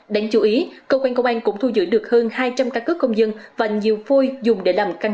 đáng chú ý cơ quan công an cũng thu giữ được hơn hai trăm linh căn cứ công dân và nhiều phôi dùng để làm căn